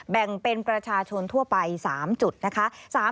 แบ่งเป็นประชาชนทั่วไป๓จุดนะคะ